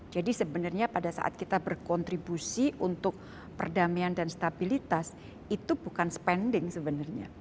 jadi sebenarnya pada saat kita berkontribusi untuk perdamaian dan stabilitas itu bukan spending sebenarnya